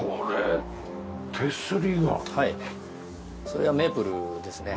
それはメープルですね。